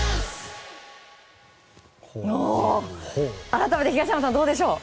改めて東山さん、どうでしょう？